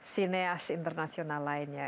sineas internasional lainnya